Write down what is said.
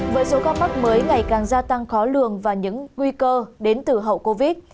với số ca mắc mới ngày càng gia tăng khó lường và những nguy cơ đến từ hậu covid